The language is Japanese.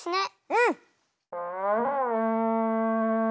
うん！